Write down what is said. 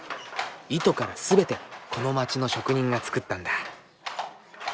糸から全てこの街の職人が作ったんだ。